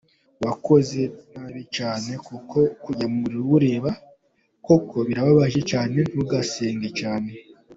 Wakoze ntabicyane kuko kujya Mumuriro uwureba koko birabaje cyane ntugusenga cyane.